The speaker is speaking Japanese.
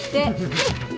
はい！